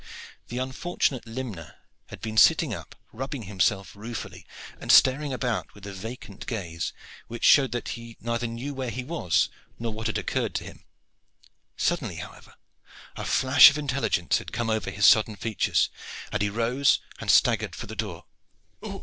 The unfortunate limner had been sitting up rubbing himself ruefully and staring about with a vacant gaze, which showed that he knew neither where he was nor what had occurred to him. Suddenly, however, a flash of intelligence had come over his sodden features, and he rose and staggered for the door.